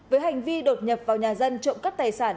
với hành vi đột nhập vào nhà dân trộm cắp tài sản